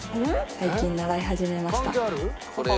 最近習い始めました。